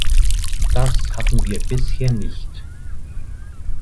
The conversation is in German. Das hatten wir bisher nicht.